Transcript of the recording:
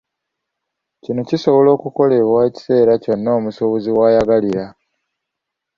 Kino kisobola okukolebwa ekiseera kyonna omusuubuzi w'ayagalira.